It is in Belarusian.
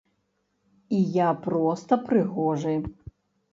І я проста прыгожы.